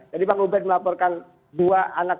jadi bang ubed melaporkan dua anak